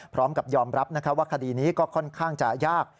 พร้อมกับยอมรับว่าคดีนี้ก็ค่อนข้างจะยาก